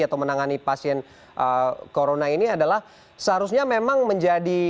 atau menangani pasien corona ini adalah seharusnya memang menjadi